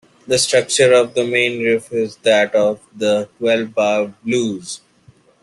The structure of the main riff is that of the twelve-bar blues.